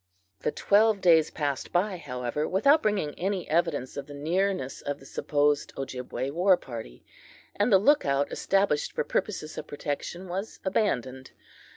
The twelve days passed by, however, without bringing any evidence of the nearness of the supposed Ojibway war party, and the "lookout" established for purposes of protection was abandoned.